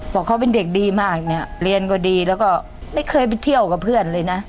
บอกเขาเป็นเด็กดีมากเนี่ยเรียนก็ดีแล้วก็ไม่เคยไปเที่ยวกับเพื่อนเลยนะ